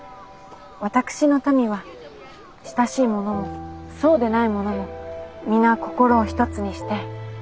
私の民は親しいものもそうでないものも皆心を一つにして。